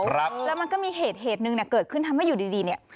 ไปแอบอ่านเรื่องนี้มากมายละคะ